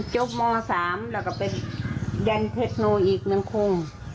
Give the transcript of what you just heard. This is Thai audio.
ม๓แล้วก็เป็นยันเทคโนอีก๑คม